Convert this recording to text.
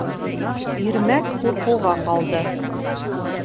Ирмәк ҡурҡыуға ҡалды.